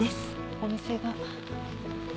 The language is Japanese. お店が。